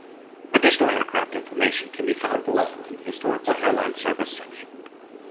Additional aircraft information can be found below in the historical airline service section.